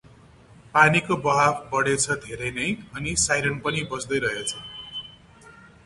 पानीको बहाव बढेछ धेरै नै अनि साइरन पनि बज्दै रहेछ ।